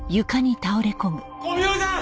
小宮山さん！！